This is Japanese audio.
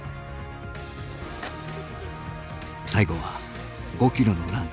最後は５ｋｍのラン。